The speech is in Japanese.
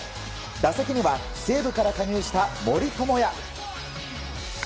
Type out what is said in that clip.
打席には西武から加入した森友哉。